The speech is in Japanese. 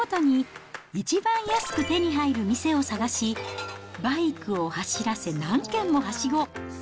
商品ごとに一番安く手に入る店を探し、バイクを走らせ、何軒もはしご。